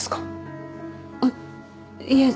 あっいえ